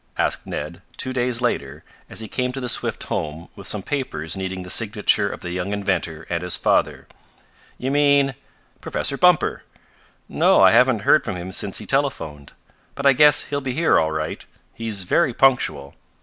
asked Ned, two days later, as he came to the Swift home with some papers needing the signature of the young inventor and his father. "You mean ?" "Professor Bumper." "No, I haven't heard from him since he telephoned. But I guess he'll be here all right. He's very punctual.